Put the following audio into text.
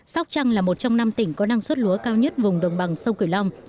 sóc trăng là một trong năm tỉnh có năng suất lúa cao nhất vùng đồng bằng sông cửu long